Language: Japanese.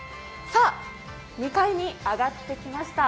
２階に上がってきました、